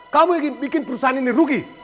kamu ingin bikin perusahaan ini rugi